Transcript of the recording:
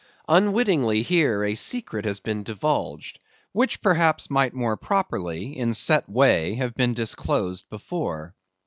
Unwittingly here a secret has been divulged, which perhaps might more properly, in set way, have been disclosed before.